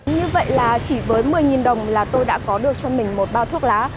như vậy là chỉ với một mươi đồng là tôi đã có được cho mình một bao thuốc lá